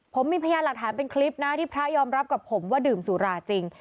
ผมมีพยานหลักฐานเป็นคลิปนะที่พระยอมรับกับผมว่าดื่มสุราจริง